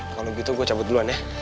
kalau begitu gue cabut duluan ya